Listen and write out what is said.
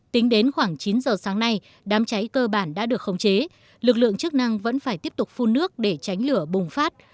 tính đến khoảng chín giờ sáng nay đám cháy cơ bản đã được khống chế lực lượng chức năng vẫn phải tiếp tục phun nước để tránh lửa bùng phát